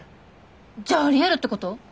じゃあありえるってこと？